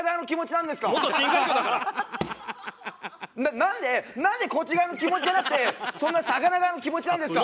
なんでなんでこっち側の気持ちじゃなくてそんなに魚側の気持ちなんですか？